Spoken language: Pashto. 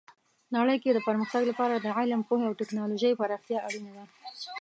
نړۍ کې د پرمختګ لپاره د علم، پوهې او ټیکنالوژۍ پراختیا اړینه ده.